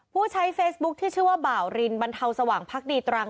ผู้ใช้เฟซบุ๊คที่ชื่อว่าบ่าวรินบรรเทาสว่างพักดีตรัง